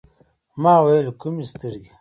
ما ویل: کومي سترګي ؟